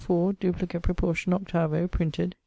Duplicate Proportion, 8vo., printed.